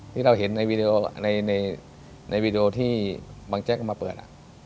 ที่เราเห็นในวีดีโอที่บางแจ๊กมาเปิด